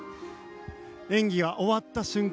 演技が終わった瞬間